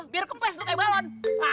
biar kempes lo kayak balon